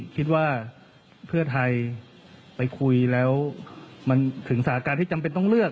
ก็เพื่อไทยก็จำเป็นต้องเลือก